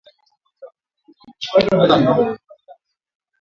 Mkutano wetu huko Marondera ulipigwa marufuku